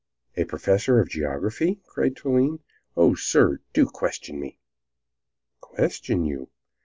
"A professor of geography!" cried Toline. "Oh, sir, do question me!" "Question you?